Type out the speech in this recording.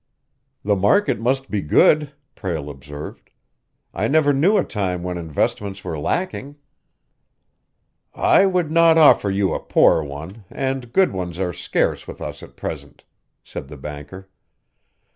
"The market must be good," Prale observed. "I never knew a time when investments were lacking." "I would not offer you a poor one, and good ones are scarce with us at present," said the banker.